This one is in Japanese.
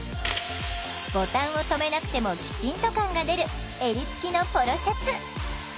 ボタンをとめなくてもきちんと感が出る襟付きのポロシャツ。